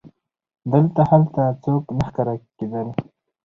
دلته هلته څوک نه ښکارېدل.